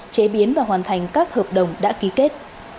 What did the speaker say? chế biến và hoàn thành các hợp đồng đã ký kết